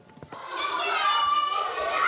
助けて！